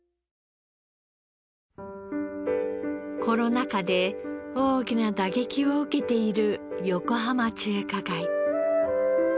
コロナ禍で大きな打撃を受けている横浜中華街。